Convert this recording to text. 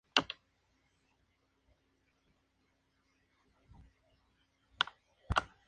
Se establece un pago para prácticas beneficiosas para el clima y medio ambiente.